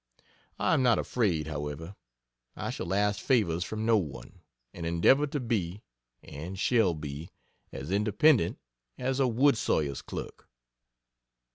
I am not afraid, however; I shall ask favors from no one, and endeavor to be (and shall be) as "independent as a wood sawyer's clerk."